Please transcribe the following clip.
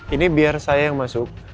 ini biar saya yang masuk